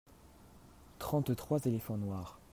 trente trois éléphants noirs.